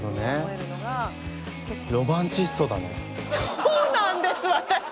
そうなんです私。